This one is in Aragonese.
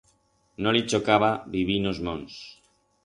No li chocaba vivir en os monts.